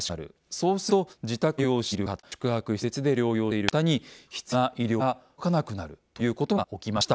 そうすると自宅で療養している方宿泊施設で療養している方に必要な医療が届かなくなるということが起きました。